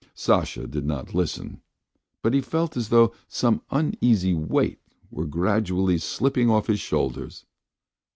Sasha did not listen, but felt as though some uneasy weight were gradually slipping off his shoulders.